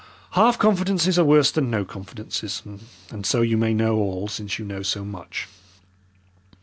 Half confidences are worse than no confidences, and so you may know all since you know so much.